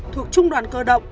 thuộc trung đoàn cơ động